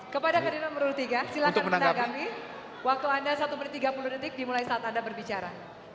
kepada kader nomor tiga silahkan menanggapi waktu anda satu menit tiga puluh detik dimulai saat anda berbicara